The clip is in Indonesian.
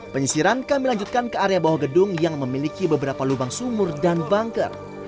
penyisiran kami lanjutkan ke area bawah gedung yang memiliki beberapa lubang sumur dan bangker